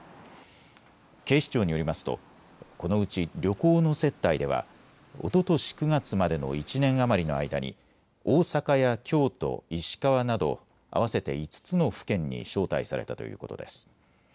警視庁によりますとこのうち旅行の接待ではおととし９月までの１年余りの間に大阪や京都、石川など合わせて５つの府県に招待されたということです。